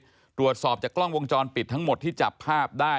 ตรวจสอบจากกล้องวงจรปิดทั้งหมดที่จับภาพได้